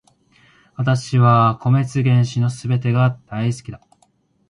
私は米津玄師の全てが好きだ